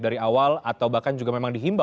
dari awal atau bahkan juga memang dihimbau